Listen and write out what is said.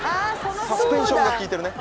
サスペンションが効いてるね。